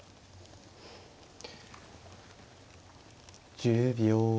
１０秒。